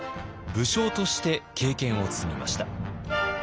武将として経験を積みました。